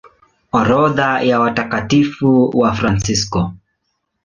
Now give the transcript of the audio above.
Orodha ya Watakatifu Wafransisko